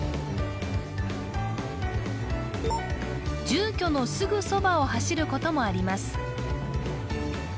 住居のすぐそばを走ることもあります